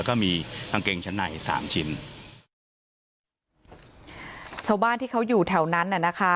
ก็มีกางเกงชั้นในสามชิ้นชาวบ้านที่เขาอยู่แถวนั้นน่ะนะคะ